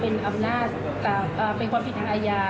เป็นอำนาจเป็นความผิดทางอาญา